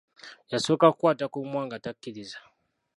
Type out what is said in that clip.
Yasooka kukwata ku mumwa, nga takikkiriza.